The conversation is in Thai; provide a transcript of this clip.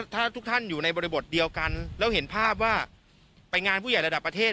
ถ้าทุกท่านอยู่ในบริบทเดียวกันแล้วเห็นภาพว่าไปงานผู้ใหญ่ระดับประเทศ